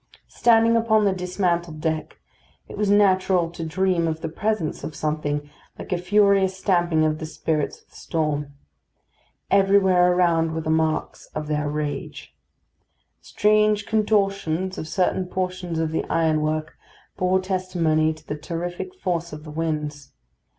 Standing upon the dismantled deck, it was natural to dream of the presence of something like a furious stamping of the spirits of the storm. Everywhere around were the marks of their rage. The strange contortions of certain portions of the ironwork bore testimony to the terrific force of the winds.